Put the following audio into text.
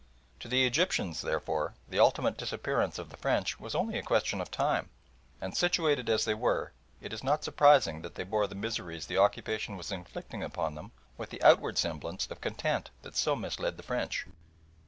To the Egyptians, therefore, the ultimate disappearance of the French was only a question of time, and situated as they were it is not surprising that they bore the miseries the occupation was inflicting upon them with the outward semblance of content that so misled the French.